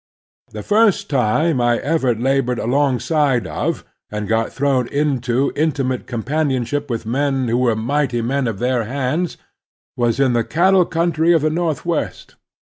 The first time I ever labored alongside of and got thrown into intimate companionship with men who were mighty men of their hands was in the 288 The Strenuous Life cattle country of the Northwest.